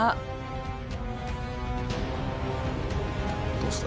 どうした？